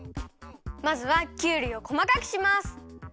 まずはきゅうりをこまかくします。